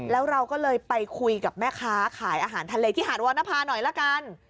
แล้วเราก็เลยไปคุยกับแม่ค้าขายอาหารทะเลที่หาดวรรณภาหน่อยละกัน